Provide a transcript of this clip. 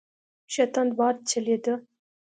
ښه تند باد چلیده.